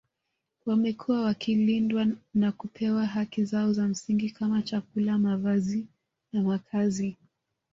Wamekuwa wakilindwa na kupewa haki zao za msingi kama chakula mavazi na makazi